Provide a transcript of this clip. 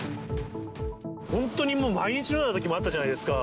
本当にもう毎日のようなときもあったじゃないですか。